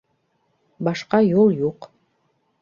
Башҡа юл юҡ.